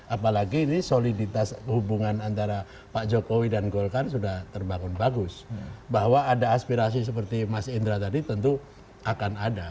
apalagi ini soliditas hubungan antara pak jokowi dan golkar sudah terbangun bagus bahwa ada aspirasi seperti mas indra tadi tentu akan ada